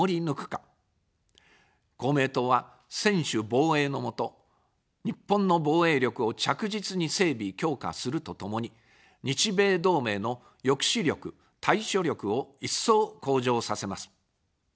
公明党は、専守防衛の下、日本の防衛力を着実に整備・強化するとともに、日米同盟の抑止力・対処力を一層向上させます。